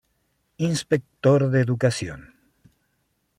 Inspector de Educación.